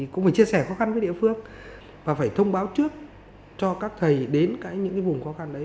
cũng phải chia sẻ khó khăn với địa phương và phải thông báo trước cho các thầy đến những vùng khó khăn đấy